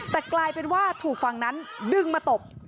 แต่กลายเป็นว่าถูกฝั่งนั้นดึงมาตบ